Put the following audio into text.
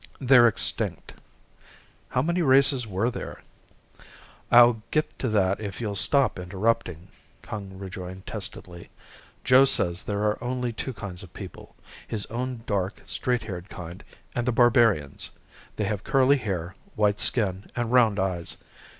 "They're extinct." "How many races were there?" "I'll get to that if you'll stop interrupting," Kung rejoined testily. "Joe says there are only two kinds of people, his own dark, straight haired kind and the barbarians. They have curly hair, white skin and round eyes.